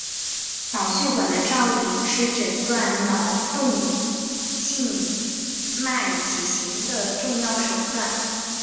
脑血管造影是诊断脑动静脉畸形的重要手段。